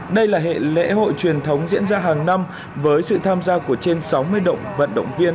đây là hệ lễ hội truyền thống diễn ra hàng năm với sự tham gia của trên sáu mươi động vận động viên